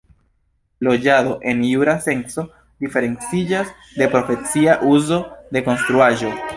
Loĝado en jura senco diferenciĝas de profesia uzo de konstruaĵo.